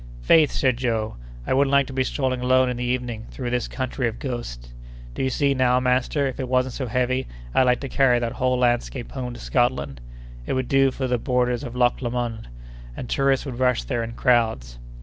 "Faith!" said Joe, "I wouldn't like to be strolling alone in the evening through this country of ghosts. Do you see now, master, if it wasn't so heavy, I'd like to carry that whole landscape home to Scotland! It would do for the borders of Loch Lomond, and tourists would rush there in crowds."